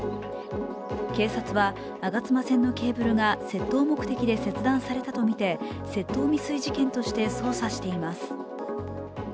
警察は吾妻線のケーブルが窃盗目的で切断されたとみて窃盗未遂事件として捜査しています。